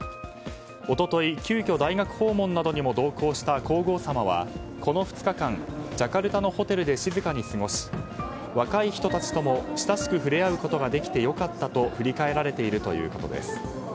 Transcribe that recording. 一昨日、急きょ大学訪問などにも同行した皇后さまはこの２日間ジャカルタのホテルで静かに過ごし若い人たちとも親しく触れ合うことができて良かったと振り返られているということです。